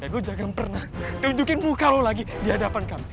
dan lu jangan pernah tunjukin muka lu lagi di hadapan kami